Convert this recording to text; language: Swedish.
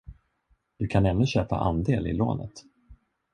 Du kan ännu köpa andel i lånet.